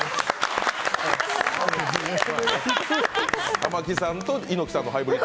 玉置さんと猪木さんのハイブリッド。